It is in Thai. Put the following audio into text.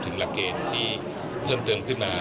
หลักเกณฑ์ที่เพิ่มเติมขึ้นมา